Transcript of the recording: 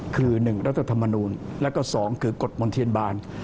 คือ๑รัฐธรรมนูลแล้วก็๒คือกฎมนเทียนบาล